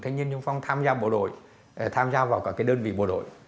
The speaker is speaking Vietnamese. thế nhưng nhung phong tham gia bộ đội tham gia vào cả cái đơn vị bộ đội